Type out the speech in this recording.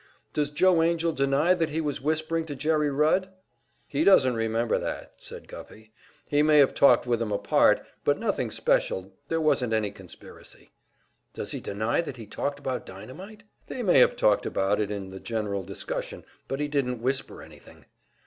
"Does Joe Angell deny that he was whispering to Jerry Rudd?" "He doesn't remember that," said Guffey. "He may have talked with him apart, but nothing special, there wasn't any conspiracy." "Does he deny that he talked about dynamite?" "They may have talked about it in the general discussion, but he didn't whisper anything."